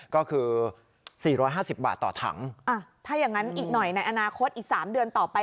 ก็คือ๔๕๐บาทต่อถังถ้าอย่างนั้นอีกหน่อยในอนาคตอีก๓เดือนต่อไป